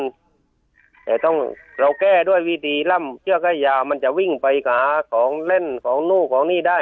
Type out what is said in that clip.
แต่ต้องเราแก้ด้วยวิธีล่ำเชือกให้ยามันจะวิ่งไปหาของเล่นของนู่นของนี่ได้